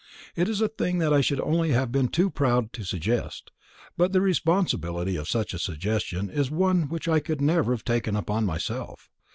It is a thing that I should only have been too proud to suggest; but the responsibility of such a suggestion is one which I could never have taken upon myself.